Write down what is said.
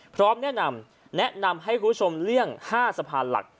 พร้อมแนะนำแนะนำให้คุณผู้ชมเลี่ยง๕สะพานหลัก